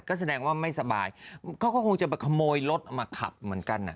ก็แสดงว่าไม่สบายเขาก็คงจะไปขโมยรถมาขับเหมือนกัน